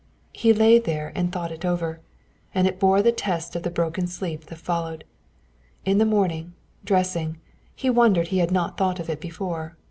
He lay there and thought it over, and it bore the test of the broken sleep that followed. In the morning, dressing, he wondered he had not thought of it before.